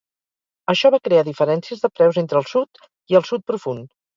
Això va crear diferències de preus entre el sud i el sud profund.